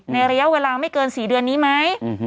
ระยะเวลาไม่เกิน๔เดือนนี้ไหม